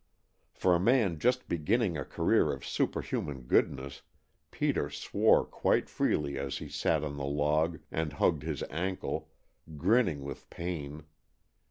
For a man just beginning a career of superhuman goodness Peter swore quite freely as he sat on the log and hugged his ankle, grinning with pain.